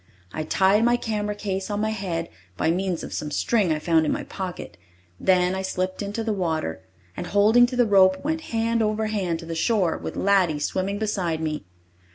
I tied my camera case on my head by means of some string I found in my pocket, then I slipped into the water and, holding to the rope, went hand over hand to the shore with Laddie swimming beside me.